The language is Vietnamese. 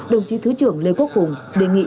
đồng chí thứ trưởng lê quốc hùng đề nghị